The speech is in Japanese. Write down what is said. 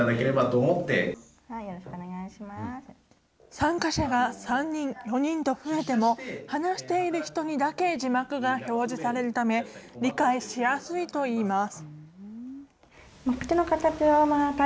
参加者が３人、４人と増えても、話している人にだけ字幕が表示されるため、理解しやすいといいます。